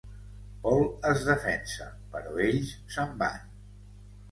Paul es defensa, però ells se'n van.